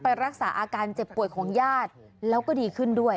รักษาอาการเจ็บป่วยของญาติแล้วก็ดีขึ้นด้วย